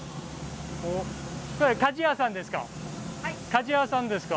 鍛冶屋さんですか？